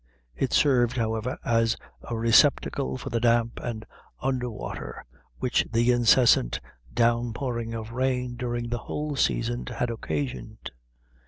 It served, therefore, as a receptacle for the damp and under water which the incessant down pouring of rain during the whole season had occasioned.